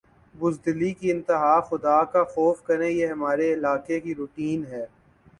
بزدلی کی انتہا خدا کا خوف کریں یہ ہمارے علاقے کی روٹین ھے